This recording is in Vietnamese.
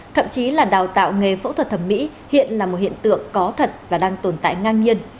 thậm chí là đào tạo nghề phẫu thuật thẩm mỹ hiện là một hiện tượng có thật và đang tồn tại ngang nhiên